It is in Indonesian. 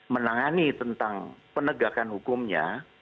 menangani tentang penegakan hukumnya